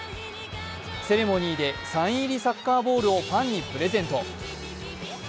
セレモニーでサイン入りサッカーボールをファンにプレゼント。